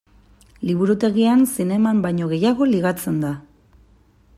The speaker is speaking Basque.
Liburutegian zineman baino gehiago ligatzen da.